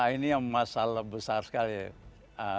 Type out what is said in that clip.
ini masalah besar sekali ya